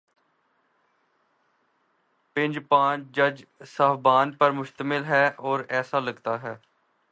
Bench پانچ جج صاحبان پر مشتمل ہے، اور ایسا لگتا ہے۔